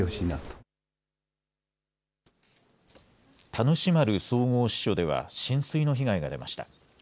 田主丸総合支所では浸水の被害が出ました。